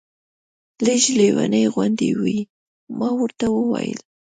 لږ لېونۍ غوندې وې. ما ورته وویل.